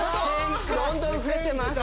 どんどん増えてます！